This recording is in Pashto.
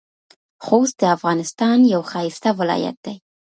خوست د افغانستان یو ښایسته ولایت دی.